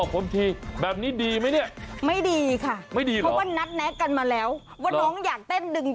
คุณไปเรียนภาษาอังกฤษได้ฉันรู้